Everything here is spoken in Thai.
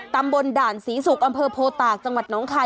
ตำบลด่านศรีศุกร์อำเภอโพตากจังหวัดน้องคาย